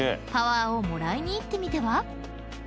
［パワーをもらいに行ってみては？］